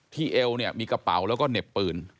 ที่เอลมีกระเป๋าแล้วเนิบปืน